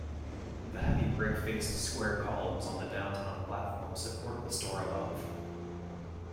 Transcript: The heavy brick-faced square columns on the downtown platform support the store above.